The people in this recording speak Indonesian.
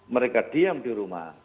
mereka diam di rumah